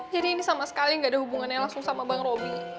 jadi ini sama sekali gak ada hubungannya langsung sama bang robi